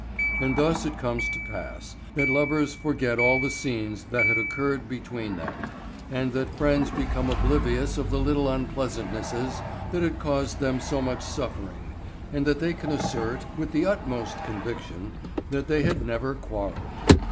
And thus it comes to pass that lovers forget all the "scenes" that had occurred between them, and that friends become oblivious of the little unpleasantnesses that had caused them so much suffering, and that they can assert, with the utmost conviction, that they had never quarrelled.